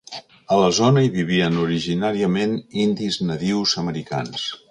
A la zona hi vivien originàriament indis nadius americans.